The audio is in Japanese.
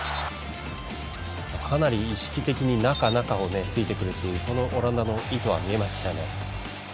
かなり意識的に中、中をついてくるというオランダの意図は見えましたよね。